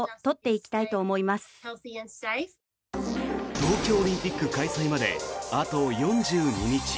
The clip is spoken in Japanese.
東京オリンピック開催まであと４２日。